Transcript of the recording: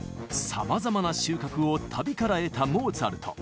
さまざまな収穫を旅から得たモーツァルト。